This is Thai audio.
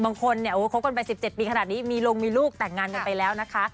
บางคนก็ครบกันไปสิบเจ็ดปีขนาดนี้มีลงมีลูกแต่งงานไปแล้วนะคะ